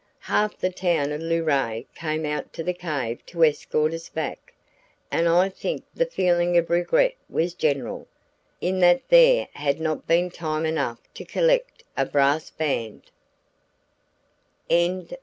Half the town of Luray came out to the cave to escort us back, and I think the feeling of regret was general, in that there had not been time enough to collect a brass band.